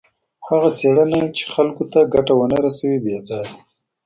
هغه څېړنه چي خلکو ته ګټه ونه رسوي بې ځایه ده.